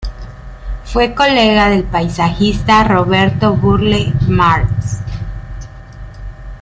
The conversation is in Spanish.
Fue colega del paisajista Roberto Burle Marx.